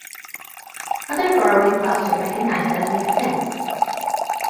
Other borrowing costs are recognised as an expense.